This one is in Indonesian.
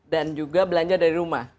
dan juga belanja dari rumah